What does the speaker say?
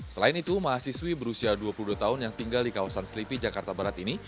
selain itu mahasiswi berusia dua puluh dua tahun yang tinggal di kawasan selipi jakarta barat ini